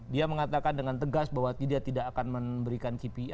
dia mengatakan dengan tegas bahwa dia tidak akan memberikan kpi